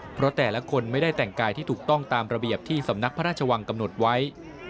เพราะแต่ละคนไม่ได้แต่งกายที่ถูกต้องตามระเบียบที่สำนักพระราชวังกำหนดไว้